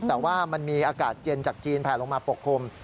แต่ว่ามันมีอากาศเย็นจากจีนแผลลงมาปกคลุม